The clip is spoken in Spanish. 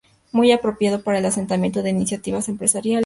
Muy apropiado para el asentamiento de iniciativas empresariales.